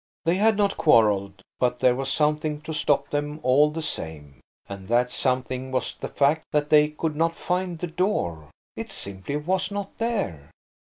They had not quarrelled, but there was something to stop them, all the same. And that something was the fact that they could not find The Door. It simply was not there.